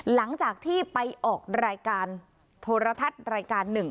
หลังจากที่ไปออกรายการโทรทัศน์รายการหนึ่ง